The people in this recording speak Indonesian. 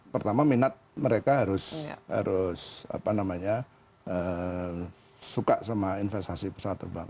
pertama minat mereka harus suka sama investasi pesawat terbang